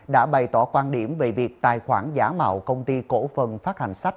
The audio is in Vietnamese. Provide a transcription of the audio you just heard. đã bày tỏ quan điểm về việc tài khoản giả mạo công ty cổ phần phát hành sách